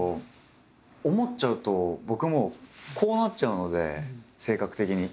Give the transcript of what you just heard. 思っちゃうと僕もうこうなっちゃうので性格的に。